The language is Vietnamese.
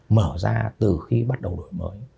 mở ra từ khi bắt đầu đổi mới